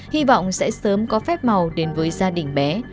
hy vọng sẽ sớm có phép màu đến với gia đình bé